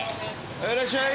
はいいらっしゃい。